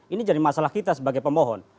ini jadi masalah kita sebagai pemohon